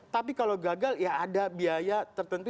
tapi kalau gagal ya ada biaya tertentu